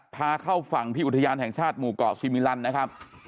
พาเข้าฝั่งที่อุทยานแห่งชาติหมู่เกาะซีมิลันนะครับ